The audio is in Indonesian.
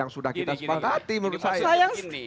sudah kita sepakatkan menurut saya